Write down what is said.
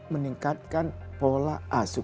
meningkatkan pola asuh